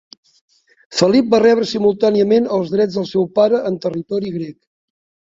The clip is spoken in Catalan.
Felip va rebre simultàniament els drets del seu pare en territori grec.